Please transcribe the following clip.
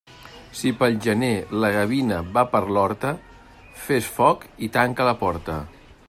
Si pel gener la gavina va per l'horta, fes foc i tanca la porta.